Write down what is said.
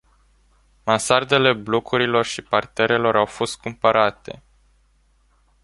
Mansardele blocurilor și parterele au fost cumpărate.